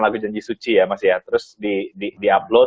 lagu janji suci ya mas ya terus di upload